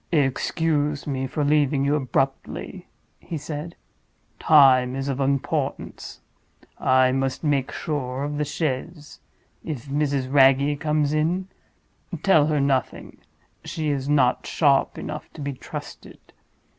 "Excuse me for leaving you abruptly," he said. "Time is of importance; I must make sure of the chaise. If Mrs. Wragge comes in, tell her nothing—she is not sharp enough to be trusted.